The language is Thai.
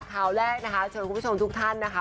ข่าวแรกนะคะเชิญคุณผู้ชมทุกท่านนะคะ